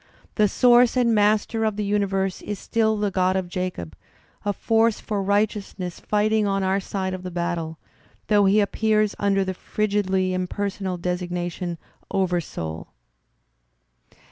The source and master of the universe is still the Grod of Jacob, a force for righteousness fighting on our side of the battle, though he appears under the frigidly impersonal designation : "Oversoul."